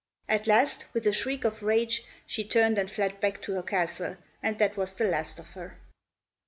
At last, with a shriek of rage, she turned and fled back to her castle, and that was the last of her.